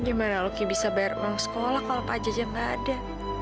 gimana loki bisa bayar uang sekolah kalau pajaknya nggak ada